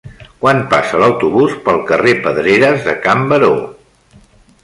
Quan passa l'autobús pel carrer Pedreres de Can Baró